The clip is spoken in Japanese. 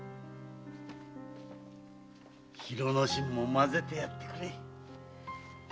広之進も混ぜてやってくれ。